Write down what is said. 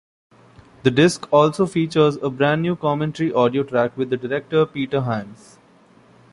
The disc also features a brand new commentary audio-track with the director Peter Hyams.